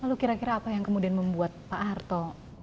lalu kira kira apa yang kemudian membuat pak harto